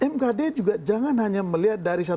mkd juga jangan hanya melihat dari